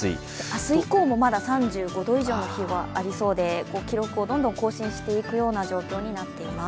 明日以降もまだ３５度以上の日はありそうで記録をどんどん更新していくような状況になっています。